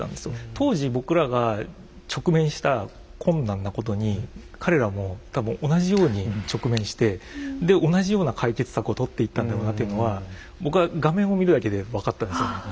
当時僕らが直面した困難なことに彼らも多分同じように直面してで同じような解決策を取っていったんだろうなっていうのは僕は画面を見るだけで分かったんですよ。